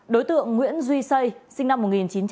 đối tượng nguyễn duy sây sinh năm một nghìn chín trăm sáu mươi